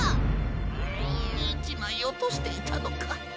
１まいおとしていたのか！？